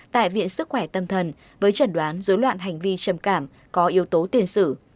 tại viện sức khỏe tâm thần với trần đoán dối loạn hành vi trầm cảm có yếu tố tiền sử